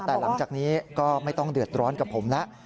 แต่หลังจากนี้ก็ไม่ต้องเดือดร้อนกับผมแล้ว